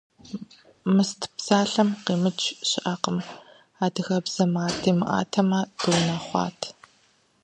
«Мыст» псалъэм къимыкӏ щыӏэкъым. Адыгэбзэм ар хэмытамэ дыунэхъуат.